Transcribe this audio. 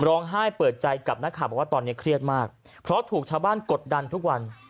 ร้องไห้เปิดใจกับนักข่าวบอกว่าตอนนี้เครียดมากเพราะถูกชาวบ้านกดดันทุกวัน